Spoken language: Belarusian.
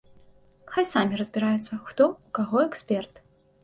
Хай самі разбіраюцца, хто ў каго эксперт.